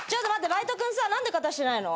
バイト君さ何で片してないの？